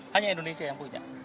hanya indonesia yang punya